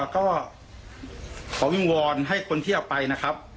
ก็ขอวิงวอนให้คนที่เอาไปนะครับ